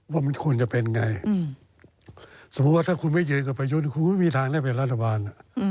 ว่ามันควรจะเป็นไงสมมุติว่าถ้าคุณไม่ยืนกับประยุทธ์คุณไม่มีทางได้เป็นรัฐบาล